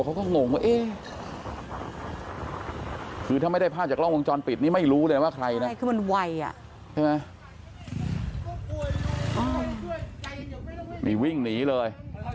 เขาก็งงว่าเอ๊ะคือถ้าไม่ได้ภาพจากกล้องวงจรปิดนี่ไม่รู้เลยว่าใครนะใช่คือมันไวอ่ะใช่ไหมนี่วิ่งหนีเลย